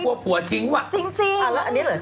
กลัวผัวทิ้งใช้เนี่ยเหรอ